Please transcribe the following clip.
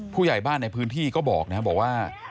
ผู้ใหญ่บ้านในพื้นที่ก็บอกนะบอกว่า